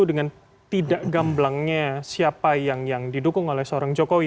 dengan tidak gamblangnya siapa yang didukung oleh seorang jokowi